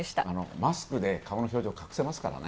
マスクで顔の表情を隠せますからね。